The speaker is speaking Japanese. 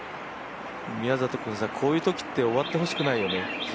宮里君、こういうときって終わってほしくないよね。